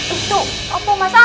itu apa masal